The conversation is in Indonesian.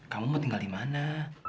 kamu mau tinggal di mana